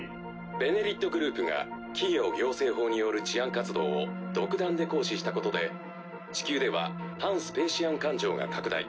「ベネリット」グループが企業行政法による治安活動を独断で行使したことで地球では反スペーシアン感情が拡大。